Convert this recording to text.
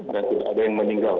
dan tidak ada yang meninggal